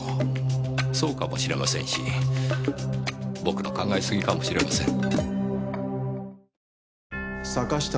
そうかもしれませんし僕の考えすぎかもしれません。